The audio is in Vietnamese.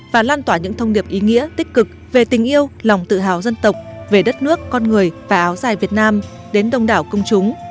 và lan tỏa những thông điệp ý nghĩa tích cực về tình yêu lòng tự hào dân tộc về đất nước con người và áo dài việt nam đến đông đảo công chúng